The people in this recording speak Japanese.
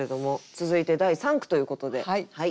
続いて第三句ということではい。